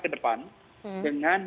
ke depan dengan